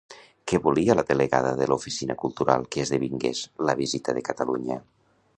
Què volia la delegada de l'oficina cultural que esdevingués la visita de Catalunya?